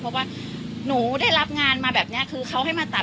เพราะว่าหนูได้รับงานมาแบบนี้คือเขาให้มาตัด